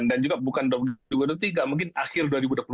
dan juga bukan dua ribu dua puluh tiga mungkin akhir dua ribu dua puluh dua